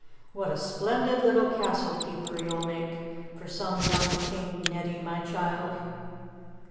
"What a splendid little castle keeper you'll make for some young King, Netty, my child!"